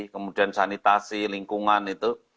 kemudian sanitasi lingkungan itu